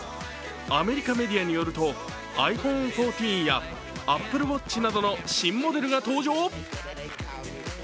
アメリカメディアによるとｉＰｈｏｎｅ１４やＡｐｐｌｅＷａｔｃｈなどの新モデルが登場！？